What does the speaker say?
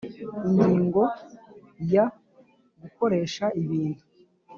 Ingingo ya gukoresha ibintu